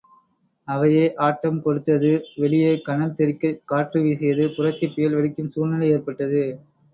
அவையே ஆட்டம் கொடுத்தது வெளியே கனல் தெறிக்கக் காற்று வீசியது புரட்சிப் புயல் வெடிக்கும் சூழ்நிலை ஏற்பட்டது.